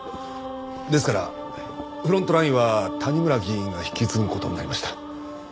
ですからフロントラインは谷村議員が引き継ぐ事になりました。